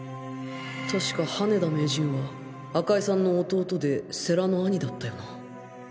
確か羽田名人は赤井さんの弟で世良の兄だったよな？